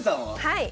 はい！